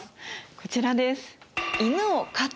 こちらです。